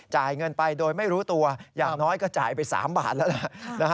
จ่ายเงินไปโดยไม่รู้ตัวอย่างน้อยก็จ่ายไป๓บาทแล้วล่ะ